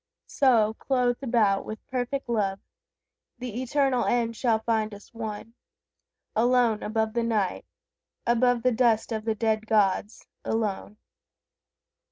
So, clothed about with perfect love, The eternal end shall find us one, Alone above the Night, above The dust of the dead gods, alone.